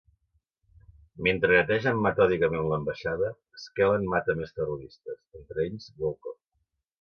Mentre netegen metòdicament l'ambaixada, Skellen mata més terroristes, entre ells Walker.